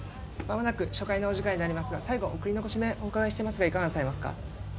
間もなく初回のお時間になりますが最後送りのご指名お伺いしていますがいかがなさいますか？